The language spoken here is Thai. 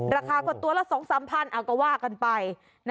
ราคากดตัวละ๒๓พันธุ์อากว่ากันไป